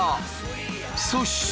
そして！